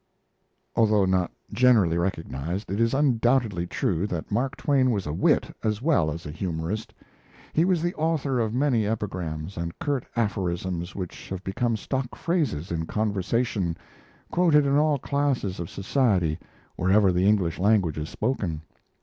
Although not generally recognized, it is undoubtedly true that Mark Twain was a wit as well as a humorist. He was the author of many epigrams and curt aphorisms which have become stock phrases in conversation, quoted in all classes of society wherever the English language is spoken.